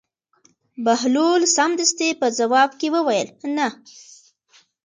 بهلول سمدستي په ځواب کې وویل: نه.